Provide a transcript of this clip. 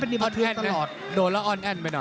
โดดละอนแอนด์ไปหน่อย